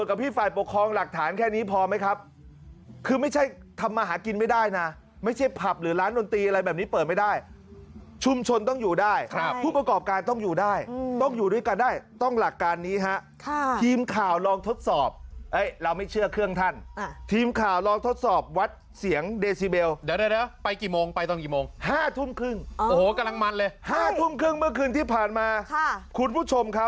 บางที่กลางเท่าไหร่บางที่กลางเท่าไหร่บางที่กลางเท่าไหร่บางที่กลางเท่าไหร่บางที่กลางเท่าไหร่บางที่กลางเท่าไหร่บางที่กลางเท่าไหร่บางที่กลางเท่าไหร่บางที่กลางเท่าไหร่บางที่กลางเท่าไหร่บางที่กลางเท่าไหร่บางที่กลางเท่าไหร่บางที่กลางเท่าไหร่บางที่กลางเท่าไห